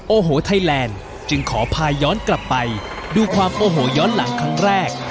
โอ้โหไทยแลนด์จึงขอพาย้อนกลับไปดูความโอโหย้อนหลังครั้งแรก